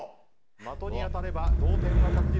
的に当たれば同点は確実。